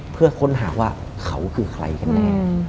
เพื่อค้นหาว่าเขาคือใครกันแน่